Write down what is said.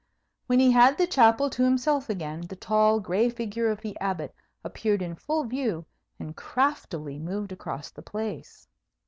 When he had the chapel to himself again, the tall gray figure of the Abbot appeared in full view, and craftily moved across the place.